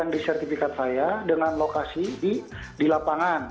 yang disertifikat saya dengan lokasi di lapangan